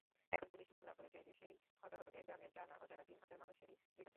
এখন পুলিশ মামলা করেছে সেই হতাহতদের গ্রামের জানা-অজানা তিন হাজার মানুষেরই বিরুদ্ধে।